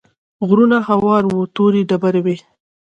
غرونه هوار وو تورې ډبرې وې.